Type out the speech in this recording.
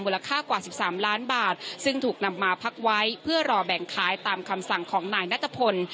ค่ากว่า๑๓ล้านบาทซึ่งถูกนำมาพักไว้เพื่อรอแบ่งขายตามคำสั่งของนายนัทพล